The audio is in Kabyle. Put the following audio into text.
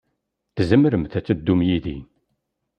Tzemremt ad teddumt yid-i.